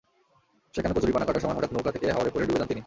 সেখানে কচুরিপানা কাটার সময় হঠাৎ নৌকা থেকে হাওরে পড়ে ডুবে যান তিনি।